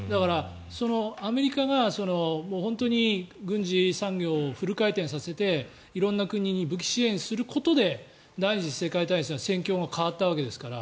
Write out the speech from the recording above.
アメリカが本当に軍事産業をフル回転させて色んな国に武器支援することで第２次世界大戦は戦況が変わったわけですから。